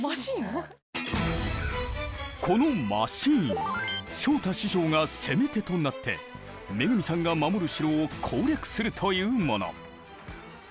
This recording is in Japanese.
このマシーン昇太師匠が「攻め手」となって恵さんが守る城を攻略するというもの。